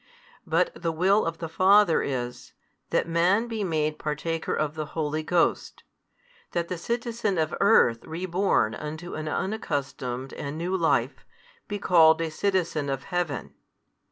But the will of the Father is, that man be made partaker of the Holy Ghost, that the citizen of earth reborn unto an unaccustomed and new life, be called a citizen of Heaven.